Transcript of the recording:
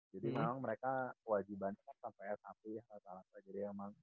jadi memang mereka kewajiban kan sampai smp ya